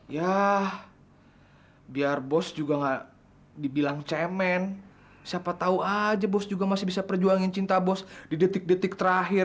ya biar bos juga gak dibilang cemen siapa tahu aja bos juga masih bisa perjuangin cinta bos di detik detik terakhir